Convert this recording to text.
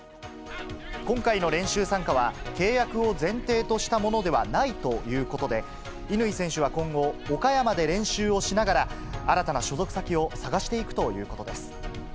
今回の練習参加は、契約を前提としたものではないということで、乾選手は今後、岡山で練習をしながら、新たな所属先を探していくということです。